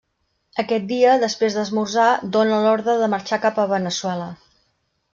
Aquest dia, després d'esmorzar, dóna l'ordre de marxar cap a Veneçuela.